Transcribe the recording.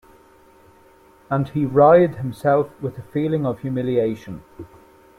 And he writhed himself with a feeling of humiliation.